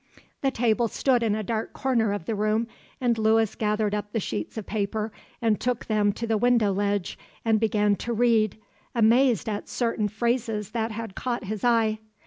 The table stood in a dark corner of the room, and Lewis gathered up the sheets of paper and took them to the window ledge and began to read, amazed at certain phrases that had caught his eye.